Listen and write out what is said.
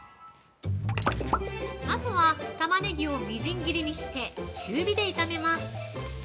まずはたまねぎをみじん切りにして、中火で炒めます。